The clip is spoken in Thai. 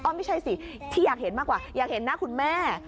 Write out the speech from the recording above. ไม่ใช่สิที่อยากเห็นมากกว่าอยากเห็นหน้าคุณแม่